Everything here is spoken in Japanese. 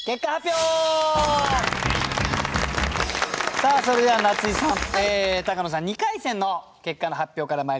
さあそれでは夏井さん高野さん二回戦の結果の発表からまいりたいと思います。